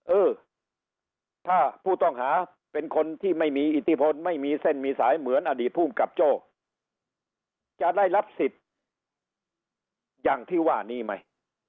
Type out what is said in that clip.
เออถ้าผู้ต้องหาเป็นคนที่ไม่มีอิทธิพลไม่มีเส้นมีสายเหมือนอดีตภูมิกับโจ้จะได้รับสิทธิ์อย่างที่ว่านี้ไหม